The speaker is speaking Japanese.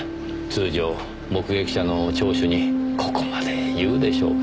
通常目撃者の聴取にここまで言うでしょうかねぇ？